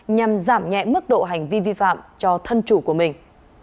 nhằm giảm nhẹ mức độ hành vi vi phạm cho thân chủ của mình